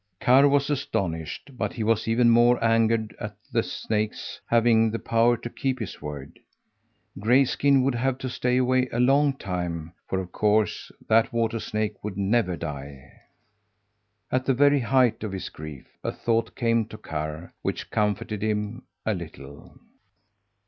Karr was astonished, but he was even more angered at the snake's having the power to keep his word. Grayskin would have to stay away a long long time, for, of course, that water snake would never die. At the very height of his grief a thought came to Karr which comforted him a little.